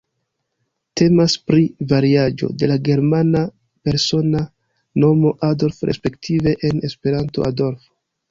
Temas pri variaĵo de la germana persona nomo Adolf respektive en Esperanto Adolfo.